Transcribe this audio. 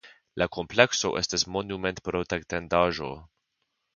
La komplekso estas monumentprotektendaĵo.